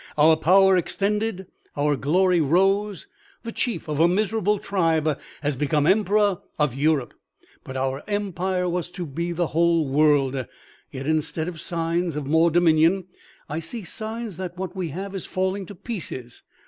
Our power extended, our glory rose; the chief of a miserable tribe has become emperor of Europe. But our empire was to be the whole world; yet instead of signs of more dominion, I see signs that what we have is falling to pieces.